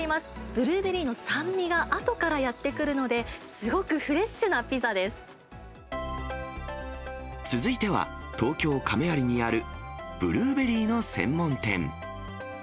ブルーベリーの酸味が後からやって来るので、すごくフレッシュな続いては、東京・亀有にあるブルーベリーの専門店。